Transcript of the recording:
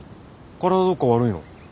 体どっか悪いの？